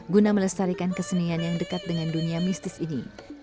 guna melestarikan kesenian yang dekat dengan dunia mistis ini